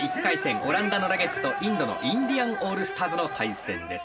オランダのラゲッズとインドのインディアン・オールスターズの対戦です。